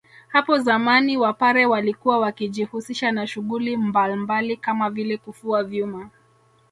Hapo zamani wapare walikuwa wakijihusisha na shughuli mbalmbali Kama vile kufua vyuma